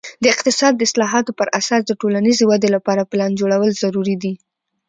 د اقتصاد د اصلاحاتو پر اساس د ټولنیزې ودې لپاره پلان جوړول ضروري دي.